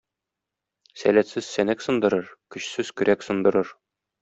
Сәләтсез сәнәк сындырыр, көчсез көрәк сындырыр.